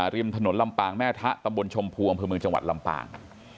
ริมถนนลำปางแม่ทะตำบลชมพูอำเภอเมืองจังหวัดลำปาง